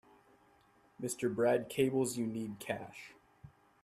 Mr. Brad cables you need cash.